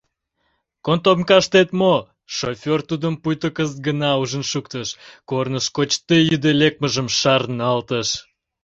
— Котомкаштет мо? — шофёр тудым пуйто кызыт гына ужын шуктыш, корныш кочде-йӱде лекмыжым шарналтыш.